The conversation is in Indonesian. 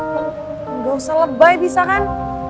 tidak usah lebay bisa kan